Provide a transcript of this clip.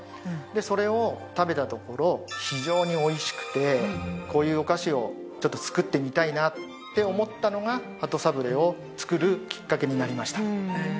でそれを食べたところ非常に美味しくてこういうお菓子を作ってみたいなって思ったのが鳩サブレーを作るきっかけになりました。